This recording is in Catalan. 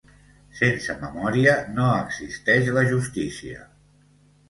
"Sense memòria no existeix la justícia".